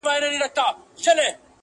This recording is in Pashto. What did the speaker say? د قدرت نشه مي نه پرېږدي تر مرگه.!